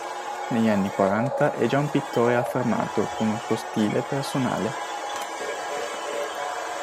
Negli anni quaranta è già un pittore affermato con un suo stile personale.